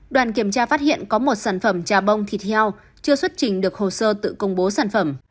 đoàn kiểm tra phát hiện có một sản phẩm trà bông thịt heo chưa xuất trình được hồ sơ tự công bố sản phẩm